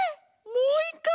もういっかい！